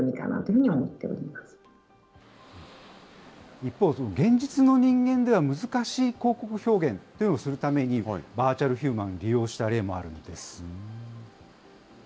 一方、現実の人間では難しい広告表現というのをするために、バーチャルヒューマンを利用した例もあるんです。